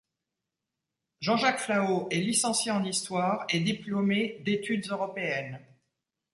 Jean-Jacques Flahaux est licencié en histoire et diplômé d'études européennes.